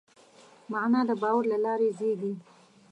معنی د باور له لارې زېږي.